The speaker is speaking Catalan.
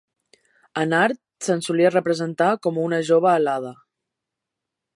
En art, se solia representar com una jove alada.